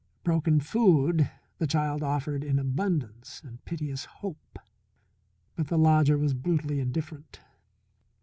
Broken food the child offered in abundance and piteous hope. But the lodger was brutally indifferent.